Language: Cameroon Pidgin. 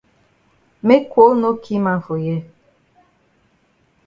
Make cold no ki man for here.